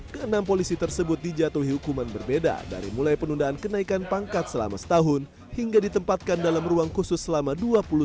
keenam polisi tersebut dijatuhi hukuman berbeda dari mulai penundaan kenaikan pangkat selama setahun hingga ditempatkan dalam ruang khusus selama dua puluh tahun